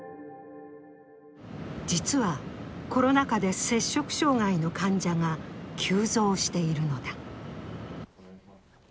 実は、コロナ禍で摂食障害の患者が急増しているのだ。